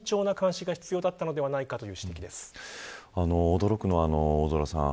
驚くのは、大空さん。